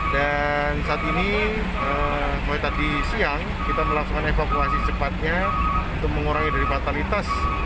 dan saat ini mulai tadi siang kita melakukan evakuasi cepatnya untuk mengurangi dari fatalitas